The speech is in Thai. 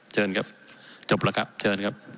เชิญครับจบแล้วครับเชิญครับ